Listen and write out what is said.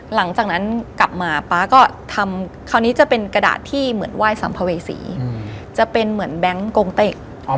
หลังจากนั้นกลับมาป๊าก็ทำคราวนี้จะเป็นกระดาษที่เหมือนไหว้สัมภเวษีจะเป็นเหมือนแบงค์กงเต็ก